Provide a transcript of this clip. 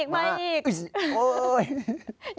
มาอีก